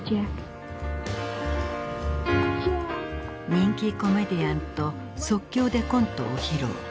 人気コメディアンと即興でコントを披露。